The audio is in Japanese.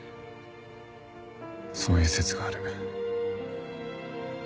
そういう説がある。